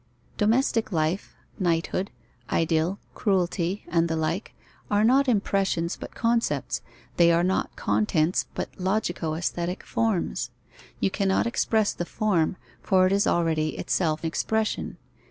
Domestic life, knighthood, idyll, cruelty, and the like, are not impressions, but concepts. They are not contents, but logico aesthetic forms. You cannot express the form, for it is already itself expression.